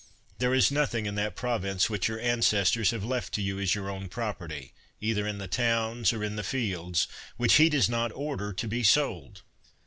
There is nothing in that province which your an cestors have left to you as your own property, either in the towns or in the fields, which he does not order to be sold.